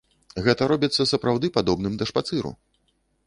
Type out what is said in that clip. Гэта робіцца сапраўды падобным да шпацыру!